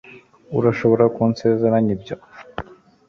urashobora kunsezeranya ibyo